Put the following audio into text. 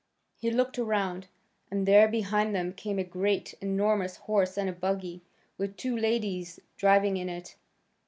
He looked around, and there behind them came a great, enormous horse and a buggy, with two ladies driving in it.